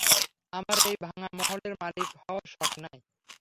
আমার এই ভাঙা মহলের মালিক, হওয়ার শখ নাই।